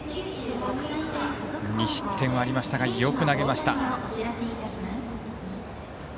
２失点はありましたがよく投げました。